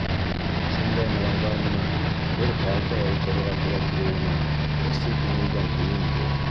Шундай малайҙар менән бер партала ултырырға тура килеүенә ысын күңелдән һөйөндө.